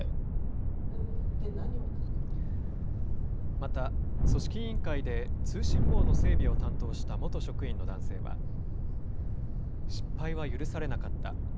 また組織委員会で通信網の整備を担当した元職員の男性は失敗は許されなかった。